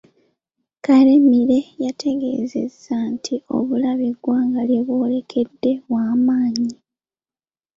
Karemire yategeezezza nti obulabe eggwanga lye bwolekedde bwamaanyi.